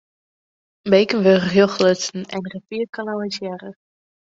Beken wurde rjocht lutsen en de rivier kanalisearre.